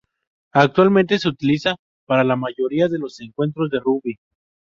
Actualmente se utiliza para la mayoría de los encuentros de rugby.